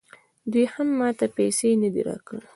دوی هم ماته پیسې نه دي راکړي